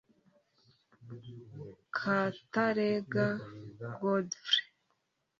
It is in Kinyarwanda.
Katarega Godfrey